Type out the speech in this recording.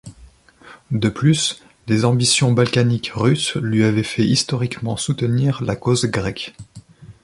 De plus, les ambitions balkaniques russes lui avaient fait historiquement soutenir la cause grecque.